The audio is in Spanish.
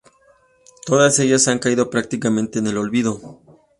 Todas ellas han caído prácticamente en el olvido.